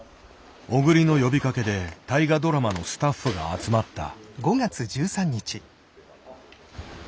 小栗の呼びかけで大河ドラマのスタッフが集まった。